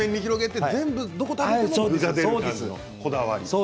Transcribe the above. どこを食べても具が出るのがこだわり。